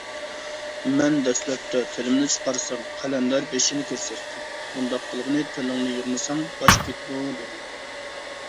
مەن دەسلەپتە تىلىمنى چىقارسام، قەلەندەر بېشىنى كۆرسەتتى. بۇنداق قىلغىنى «تىلىڭنى يىغمىساڭ، باش كېتىدۇ» دېگىنى.